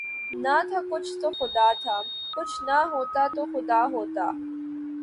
نہ تھا کچھ تو خدا تھا، کچھ نہ ہوتا تو خدا ہوتا